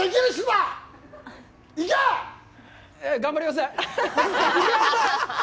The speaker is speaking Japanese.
頑張ります。